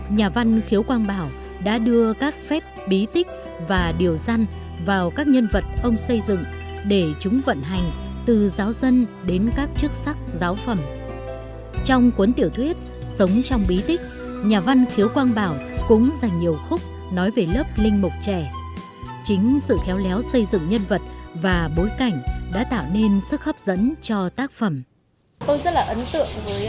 nhà văn hiếu quang bảo có cái cách đưa thông điệp vào trong mỗi cuốn sách một cách thầm lặng